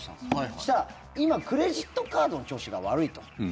そしたら、今クレジットカードの調子が悪いと。